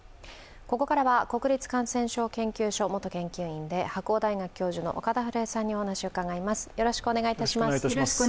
ここからは国立感染症研究所元研究員で白鴎大学教授の岡田晴恵さんにお話を伺います。